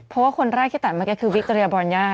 เพราะว่าคนแรกที่ตัดเมื่อกี้คือวิกเรียบอนยา